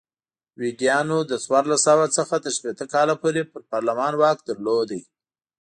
ویګیانو له څوارلس سوه څخه تر شپېته کاله پورې پر پارلمان واک درلود.